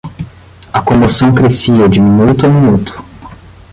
A comoção crescia de minuto a minuto.